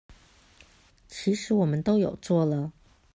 其實我們都有做了